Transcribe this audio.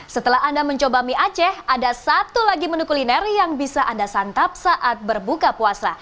setelah anda mencoba mie aceh ada satu lagi menu kuliner yang bisa anda santap saat berbuka puasa